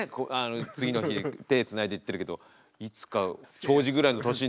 次の日手つないで行ってるけどいつか庄司ぐらいの年になったら。